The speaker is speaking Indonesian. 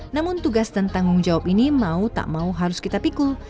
namun tugas dan tanggung jawab ini mau tak mau harus kita pikul